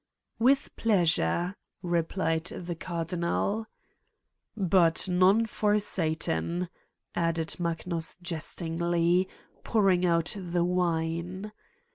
'' "With pleasure," replied the Cardinal. "But none for Satan," added Magnus jestingly, pouring out the wine.